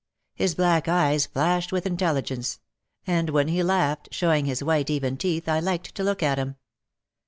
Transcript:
His black eyes flashed with intelligence. And when he laughed, showing his white, even teeth, I liked to look at him.